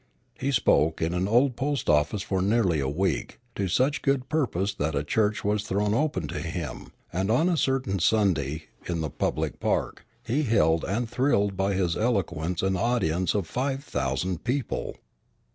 He spoke in an old post office for nearly a week, to such good purpose that a church was thrown open to him; and on a certain Sunday, in the public park, he held and thrilled by his eloquence an audience of five thousand people.